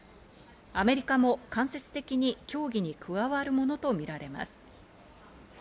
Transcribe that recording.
アメリカも間接的に協議に加わるものとみられます。